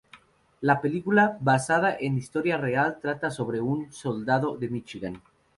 La película, basada en una historia real, trata sobre un soldado de Michigan.